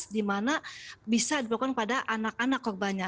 dimana bisa diperlukan pada anak anak korbannya